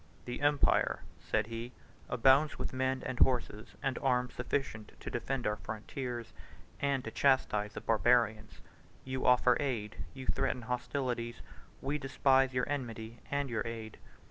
"The empire," said he, "abounds with men and horses, and arms sufficient to defend our frontiers, and to chastise the Barbarians. You offer aid, you threaten hostilities: we despise your enmity and your aid.